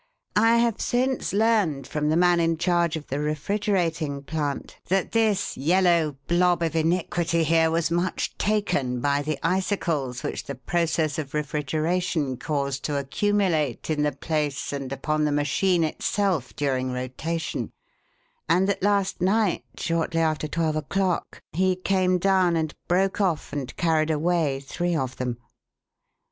I have since learned from the man in charge of the refrigerating plant that this yellow blob of iniquity here was much taken by the icicles which the process of refrigeration caused to accumulate in the place and upon the machine itself during rotation, and that last night shortly after twelve o'clock he came down and broke off and carried away three of them.